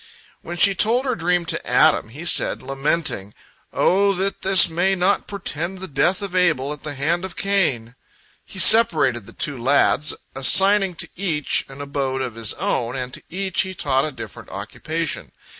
When she told her dream to Adam, he said, lamenting, "O that this may not portend the death of Abel at the hand of Cain!" He separated the two lads, assigning to each an abode of his own, and to each he taught a different occupation.